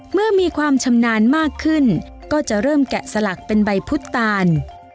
เมื่อมีความชำนาญมากขึ้นก็จะเริ่มแกะสลักเป็นใบพุตตาล